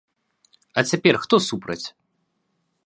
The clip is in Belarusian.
А цяпер хто супраць?